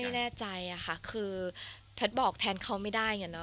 แต่แสดงว่า